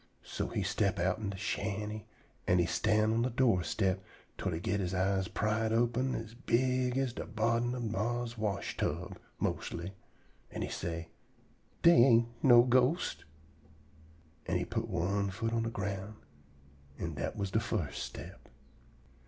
So he step outen de shanty an' he stan' on de doorstep twell he get he eyes pried open as big as de bottom ob he ma's washtub, mostly, an' he say, "Dey ain't no ghosts." An' he put one foot on de ground, an' dat was de fust step.